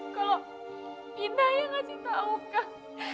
kalau inah yang ngasih tahu kang